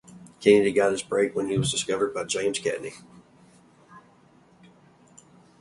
Kennedy got his break when he was discovered by James Cagney.